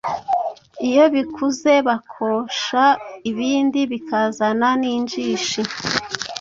Iyo bikuze bakosha ibindi bikazana n’injishi